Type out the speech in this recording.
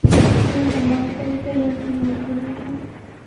频率可能会对应不同的机械零件。